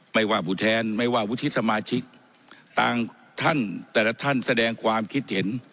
ไม่ว่าผู้แทนไม่ว่าวุฒิสมาชิกต่างท่านแต่ละท่านแสดงความคิดเห็น